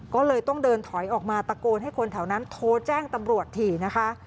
ก็เลยต้องเดินถอยออกมาตะโกนให้คนแถวนั้นโทรแจ้งตำรวจถี่นะคะ